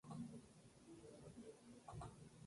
Su nombre significa "donde el sol sale".